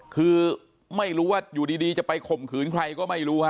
คือไม่รู้ว่าอยู่ดีจะไปข่มขืนใครก็ไม่รู้ฮะ